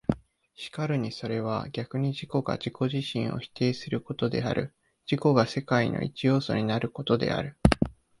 然るにそれは逆に自己が自己自身を否定することである、自己が世界の一要素となることである。